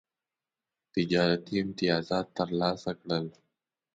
تجارتي امتیازات ترلاسه کړل.